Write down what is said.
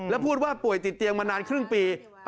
แล้วพูดว่าป่วยติดเตียงมานานครึ่งปี